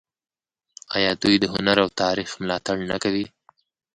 آیا دوی د هنر او تاریخ ملاتړ نه کوي؟